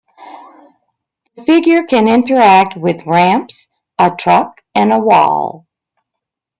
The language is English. The figure can interact with ramps, a truck and a wall.